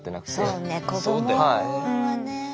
そうね子どもはね。